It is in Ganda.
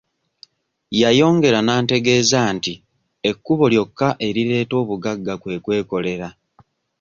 Yayongera n'antegeeza nti ekkubo lyokka erireeta obugagga kwe kwekolera.